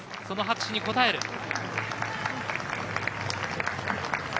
その拍手に応える。